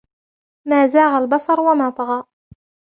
مَا زَاغَ الْبَصَرُ وَمَا طَغَى